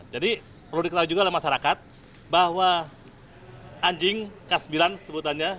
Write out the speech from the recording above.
jadi perlu diketahui juga oleh masyarakat bahwa anjing k sembilan sebutannya